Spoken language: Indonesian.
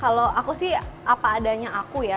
kalau aku sih apa adanya aku ya